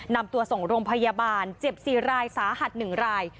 นำตัวส่งรมพยาบาลเจ็บ๔ไร้ซ้าหัฒนึงราย